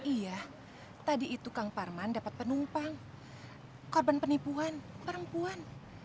iya tadi itu kang parman dapat penumpang korban penipuan perempuan